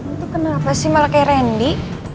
itu kenapa sih malah kayak randy